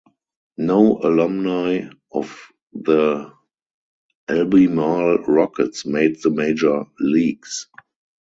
No alumni of the Albemarle Rockets made the major leagues.